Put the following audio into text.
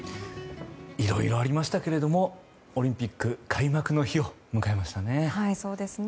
いろいろありましたけれどもオリンピック開幕の日を迎えましたね。